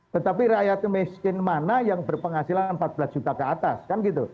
tetapi rakyat miskin mana yang berpenghasilan empat belas juta ke atas kan gitu